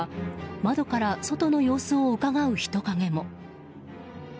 窓から外の様子をうかがう人影も。